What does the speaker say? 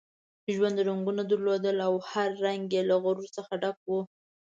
ژوند رنګونه درلودل او هر رنګ یې له غرور څخه ډک وو.